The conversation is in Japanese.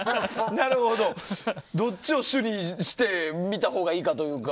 どっちを主にして見たほうがいいかというか。